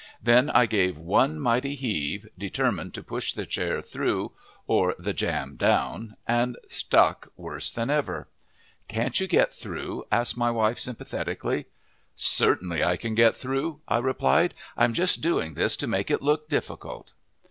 Then I gave one mighty heave, determined to push the chair through or the jam down, and stuck worse than ever. "Can't you get through?" asked my wife sympathetically. "Certainly I can get through," I replied; "I'm just doing this to make it look difficult!"